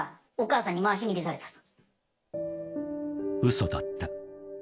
［嘘だった］